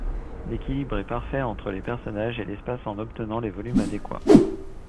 L’équilibre est parfait entre les personnages et l’espace en obtenant les volumes adéquats.